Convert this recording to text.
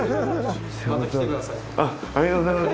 ありがとうございます。